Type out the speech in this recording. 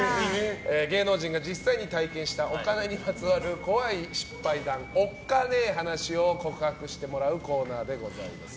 芸能人が実際に体験したお金にまつわる怖い失敗談おっカネ話を告白してもらうコーナーでございます。